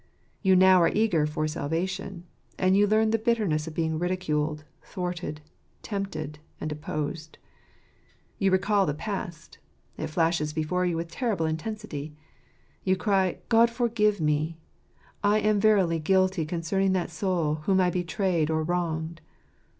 You now are eager for salvation; and you learn the bitterness of being ridiculed, thwarted, tempted, and opposed. You recal the past ; it flashes before you with terrible intensity. You cry, " God forgive me ! I am verily guilty concerning that soul whom I betrayed or wronged."